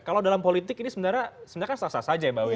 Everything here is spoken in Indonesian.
kalau dalam politik ini sebenarnya selesai saja mbak wi